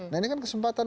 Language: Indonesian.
nah ini kan kesempatan